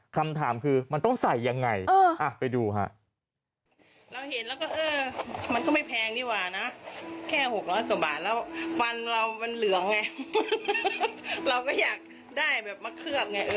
คำถามคือมันต้องใส่ยังไงไปดูฮะ